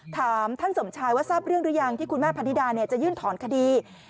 ถามท่านสมชายว่าทราบเรื่องหรือยังที่คุณแม่พันธิดาจะยื่นถอนคดี